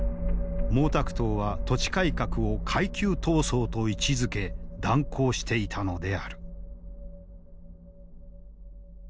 毛沢東は土地改革を階級闘争と位置づけ断行していたのである。